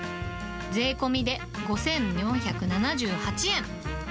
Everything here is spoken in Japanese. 税込みで５４７８円。